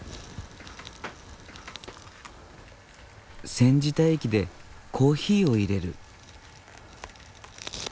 煎じた液でコーヒーをいれる。